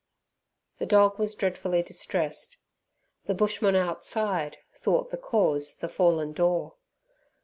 The dog was dreadfully distressed. The bushman outside thought the cause the fallen door.